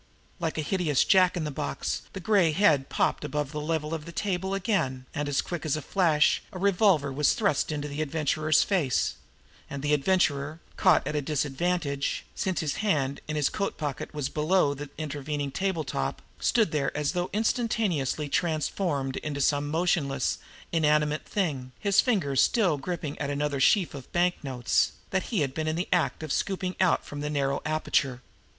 Like a hideous jack in the box the gray head popped above the level of the table again, and quick as a flash, a revolver was thrust into the Adventurer's face; and the Adventurer, caught at a disadvantage, since his hand in his coat pocket was below the intervening table top, stood there as though instantaneously transformed into some motionless, inanimate thing, his fingers still gripping at another sheaf of banknotes that he had been in the act of scooping out from the narrow aperture.